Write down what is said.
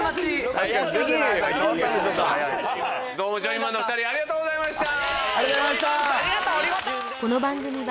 ジョイマンありがとうございました！